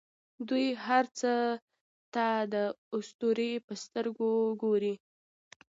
دوی هر څه ته د اسطورې په سترګه ګوري.